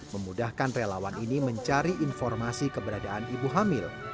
memudahkan relawan ini mencari informasi keberadaan ibu hamil